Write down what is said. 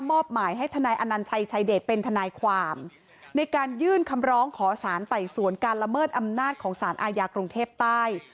มอบหมายให้ทนายอนัญชัยชายเดชเป็นทนายความในการยื่นคำร้องขอสารไต่สวนการละเมิดอำนาจของสารอาญากรุงเทพใต้